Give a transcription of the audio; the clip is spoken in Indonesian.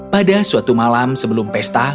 pada suatu malam sebelum pesta